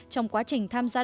trong quá trình tham gia đợt